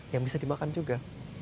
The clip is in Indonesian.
yang bisa dimakan juga